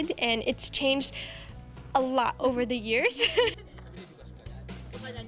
dan itu berubah banyak sepanjang tahun